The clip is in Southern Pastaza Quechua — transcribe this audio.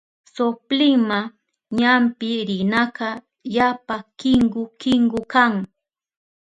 Soplinma ñampi rinaka yapa kinku kinku kan.